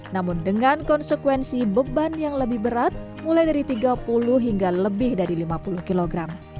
namun dengan konsekuensi beban yang lebih berat mulai dari tiga puluh hingga lebih dari lima puluh kg